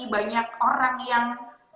banyak orang yang